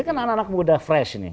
ini kan anak anak muda fresh nih